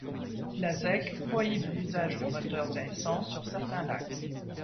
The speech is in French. La zec prohibe l'usage de moteurs à essence sur certains lacs.